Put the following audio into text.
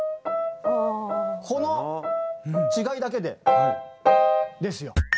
この違いだけで。ですよ。